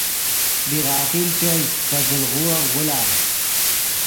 بی غافل چوئے پے زل غووف غولار